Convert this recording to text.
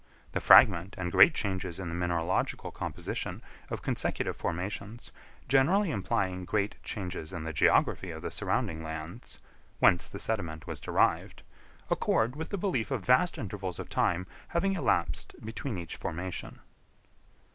The frequent and great changes in the mineralogical composition of consecutive formations, generally implying great changes in the geography of the surrounding lands, whence the sediment was derived, accord with the belief of vast intervals of time having elapsed between each formation.